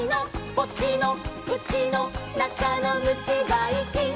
「ポチのくちのなかのむしばいきん！」